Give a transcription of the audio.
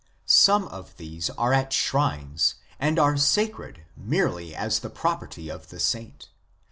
Some of these are at shrines, and are sacred merely as the property of the saint.